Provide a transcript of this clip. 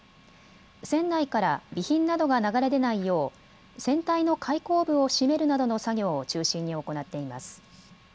船内から備品などが流れ出ないよう船体の開口部を閉めるなどの作業を中心に行っています。